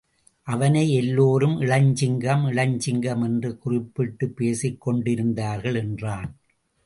அவனை எல்லோரும் இளஞ்சிங்கம், இளஞ்சிங்கம் என்று குறிப்பிட்டுப் பேசிக் கொண்டிருந்தார்கள் என்றான்.